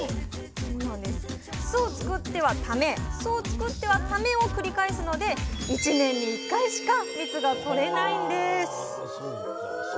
巣を作ってはため巣を作ってはためを繰り返すので１年に１回しか蜜がとれないんですお！